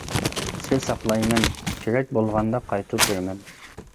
سىر ساقلايمەن، كېرەك بولغاندا قايتۇرۇپ بېرىمەن.